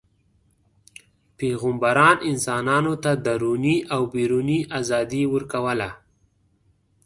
پیغمبران انسانانو ته دروني او بیروني ازادي ورکوله.